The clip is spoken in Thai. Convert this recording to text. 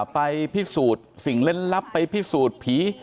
ไปพิสูจน์สิ่งเล่นลับไปพิสูจน์ผี